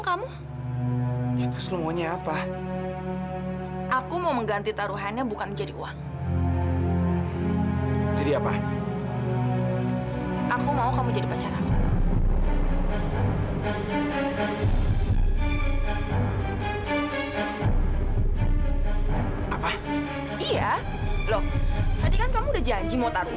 bagaimana caranya agar dia percaya sama aku